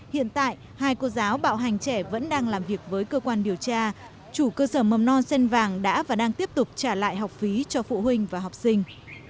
hiện tại hai cô giáo bạo hành trẻ vẫn đang làm việc với cơ quan điều tra chủ cơ sở mầm non sơn vàng đã và đang tiếp tục trả lại học phí cho phụ huynh và học sinh